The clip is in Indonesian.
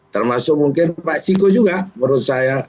termasuk mungkin pak ciko juga menurut saya